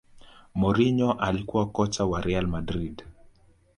mourinho alikuwa kocha wa real madrid